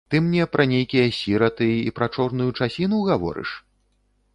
Ты мне пра нейкія сіраты і пра чорную часіну гаворыш?